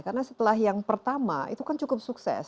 karena setelah yang pertama itu kan cukup sukses